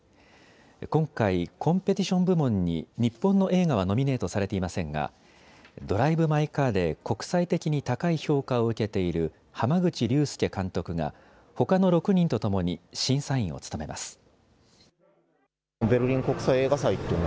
今回、コンペティション部門に日本の映画はノミネートされていませんが、ドライブ・マイ・カーで国際的に高い評価を受けている濱口竜介監督がほかの６人とともに審査員を務めます。